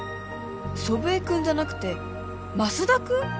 祖父江君じゃなくてマスダ君？